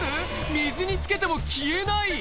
水につけても消えない！